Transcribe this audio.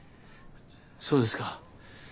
そうですか。